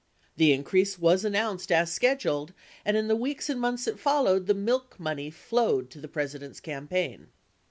The increase was announced as scheduled, and in the weeks and months that followed the "milk money" flowed to the President's cam paign."